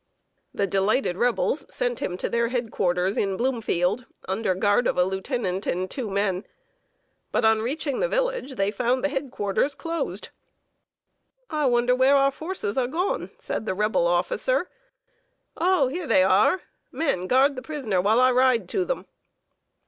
The delighted Rebels sent him to their head quarters in Bloomfield, under guard of a lieutenant and two men. But, on reaching the village, they found the head quarters closed. "I wonder where our forces are gone," said the Rebel officer. "Oh, here they are! Men, guard the prisoner while I ride to them."